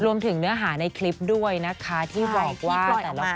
รวมถึงเนื้อหาในคลิปด้วยนะคะที่บอกว่าตัวละคนเนี่ย